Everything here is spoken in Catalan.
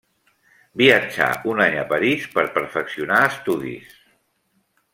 Viatjà un any a París per perfeccionar estudis.